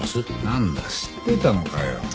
なんだ知ってたのかよ。